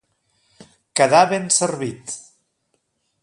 Quedar ben servit.